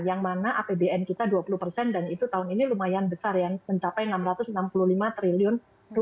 yang mana apbn kita dua puluh persen dan itu tahun ini lumayan besar ya mencapai rp enam ratus enam puluh lima triliun